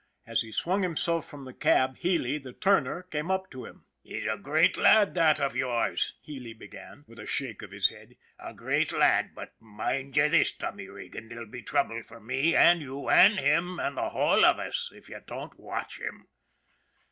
As he swung himself from the cab, Healy, the turner, came up to him. " He's a great lad, that av yours," Healy began, with a shake of his head " a great lad ; but mind ye this, Tommy Regan, there'll be trouble for me an' you an' him an' the whole av us, if you don't watch him."